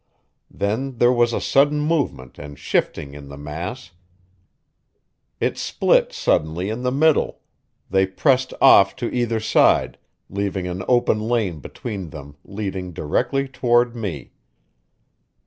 Then there was a sudden movement and shifting in the mass; it split suddenly in the middle; they pressed off to either side, leaving an open lane between them leading directly toward me.